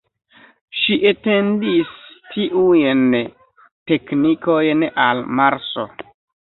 Ŝi etendis tiujn teknikojn al Marso.